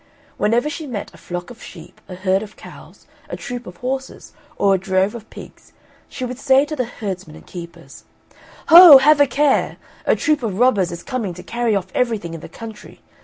Whenever she met a flock of sheep, a herd of cows, a troop of horses, or a drove of pigs, she would say to the herdsmen and keepers, "Ho! have a care! A troop of robbers is coming to carry off everything in the country.